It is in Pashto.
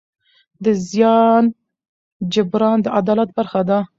د زیان جبران د عدالت برخه ده.